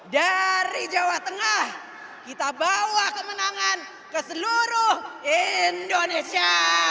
dari jawa tengah kita bawa kemenangan ke seluruh indonesia